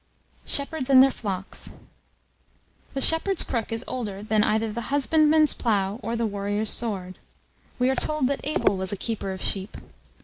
SHEPHERDS AND THEIR FLOCKS. The shepherd's crook is older than either the husbandman's plough or the warrior's sword. We are told that Abel was a keeper of sheep.